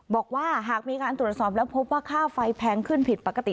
บอกว่าหากมีการตรวจสอบแล้วพบว่าค่าไฟแพงขึ้นผิดปกติ